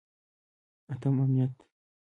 اتم: امنیت.